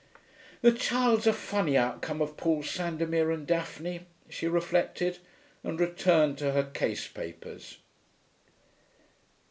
'The child's a funny outcome of Paul Sandomir and Daphne,' she reflected, and returned to her case papers.